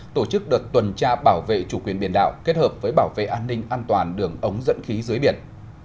tổ chức đợt tuần tra bảo vệ chủ quyền biển đảo kết hợp với bảo vệ an ninh an toàn đường ống dẫn khí dưới biển